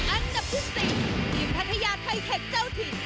อันดับที่๔ทีมพัทยาไทเทคเจ้าถิ่น